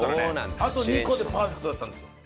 あと２個でパーフェクトだったんですよ。